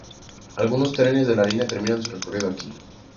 Algunos trenes de la línea terminan su recorrido aquí.